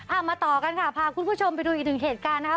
มาต่อกันค่ะพาคุณผู้ชมไปดูอีกหนึ่งเหตุการณ์นะครับ